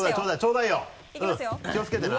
うん気をつけてな。